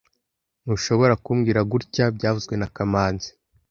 Ntushobora kumbwira gutya byavuzwe na kamanzi